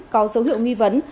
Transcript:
có dấu hiệu nghi vấn